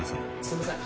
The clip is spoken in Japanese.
すいません。